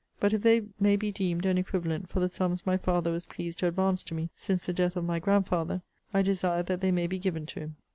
But if they may be deemed an equivalent for the sums my father was pleased to advance to me since the death of my grandfather, I desire that they may be given to him.